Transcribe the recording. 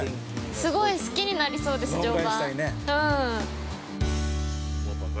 ◆すごい好きになりそうです、乗馬。